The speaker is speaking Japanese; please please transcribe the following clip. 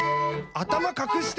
「あたまかくして！」